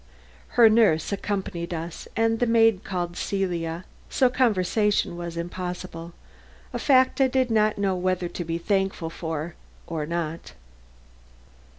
Her nurse accompanied us and the maid called Celia, so conversation was impossible a fact I did not know whether to be thankful for or not.